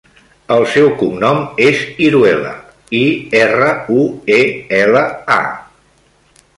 El seu cognom és Iruela: i, erra, u, e, ela, a.